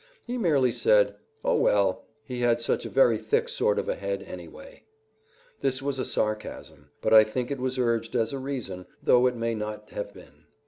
He merely said: "Oh, well, he had such a very thick sort of a head, anyway." This was a sarcasm, but I think it was urged as a reason, though it may not have been.